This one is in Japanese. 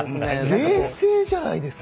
冷静じゃないですか。